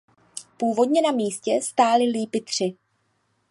Původně na místě stály lípy tři.